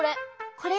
これ。